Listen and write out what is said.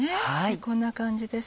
こんな感じです